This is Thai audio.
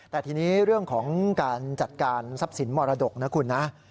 แต่ทีนี้เรื่องของการจัดการทรัพย์สินมรดกนะคุณนะ